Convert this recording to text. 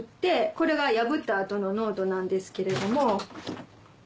これが破った後のノートなんですけれども。